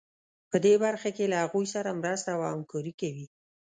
په دې برخه کې له هغوی سره مرسته او همکاري کوي.